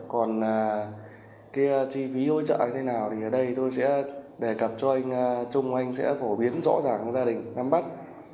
còn cái chi phí hỗ trợ như thế nào thì ở đây tôi sẽ đề cập cho anh trung anh sẽ phổ biến rõ ràng gia đình nắm bắt